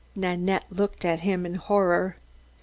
Nanette looked at him in horror.